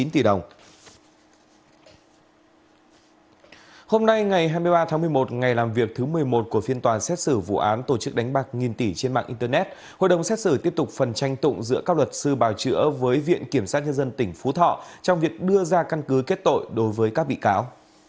trong việc đưa ra căn cứ kết tội đối với các bị cáo